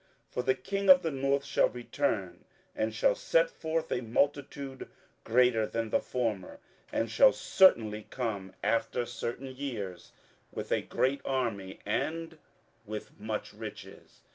27:011:013 For the king of the north shall return, and shall set forth a multitude greater than the former, and shall certainly come after certain years with a great army and with much riches.